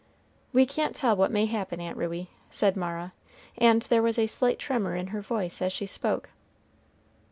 "We can't tell what may happen, Aunt Ruey," said Mara, and there was a slight tremor in her voice as she spoke.